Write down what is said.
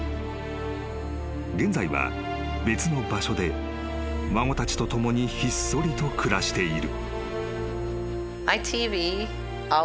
［現在は別の場所で孫たちと共にひっそりと暮らしている］